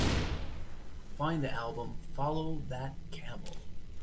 Find the album Follow That Camel